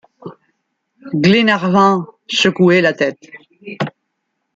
Glenarvan secouait la tête.